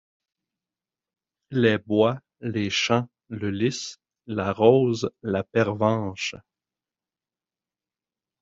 Les bois, les champs, le lys, la rose, la pervenche